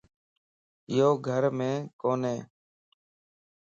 يو گھر مَ ڪوني